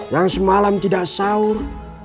yang semalam tidak sahur